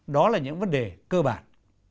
đó là những vấn đề cơ bản